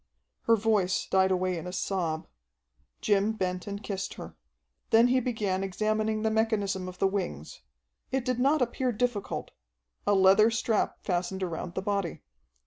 Her voice died away in a sob. Jim bent and kissed her. Then he began examining the mechanism of the wings. It did not appear difficult. A leather strap fastened around the body.